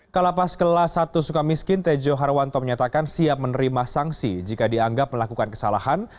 kalapas kelas satu suka miskin tejo harwanto menyatakan siap menerima sanksi jika dianggap melakukan kesalahan